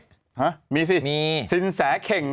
ฮะมีสิมีสินแสเข่ง